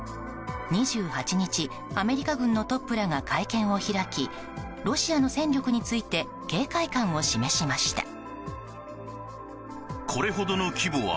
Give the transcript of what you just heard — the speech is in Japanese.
２８日、アメリカ軍のトップらが会見を開きロシアの戦力について警戒感を示しました。